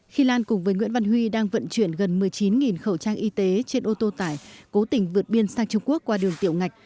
khi lan cùng với nguyễn văn huy đang vận chuyển gần một mươi chín khẩu trang y tế trên ô tô tải cố tình vượt biên sang trung quốc qua đường tiểu ngạch